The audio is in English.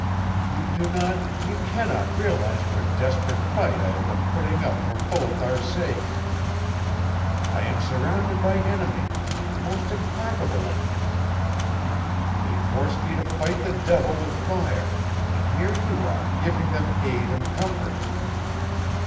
You do not you cannot realize what a desperate fight I have been putting up for both our sakes. I am surrounded by enemies the most implacable enemies. They force me to fight the devil with fire and here you are, giving them aid and comfort."